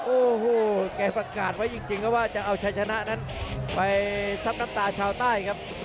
โอ้โหแกประกาศไว้จริงครับว่าจะเอาชัยชนะนั้นไปซับน้ำตาชาวใต้ครับ